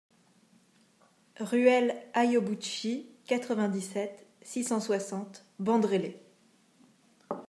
Ruelle Haoibouchie, quatre-vingt-dix-sept, six cent soixante Bandrélé